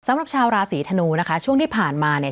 สำหรับชาวราศีธนูนะคะช่วงที่ผ่านมาเนี่ย